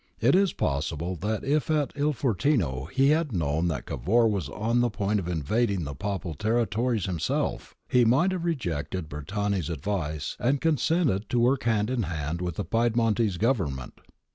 It is possible that if at II Fortino he had known that Cavour was on the point of invading the Papal territories himself, he might have rejected Bertani's advice and consented to work hand in hand with the Piedmontese Government.